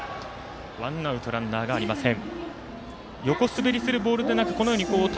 ワンアウトランナーがありません。